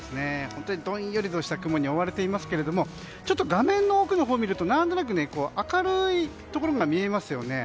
本当にどんよりとした雲に覆われていますけどちょっと画面の奥を見ると何となく明るいところが見えますよね。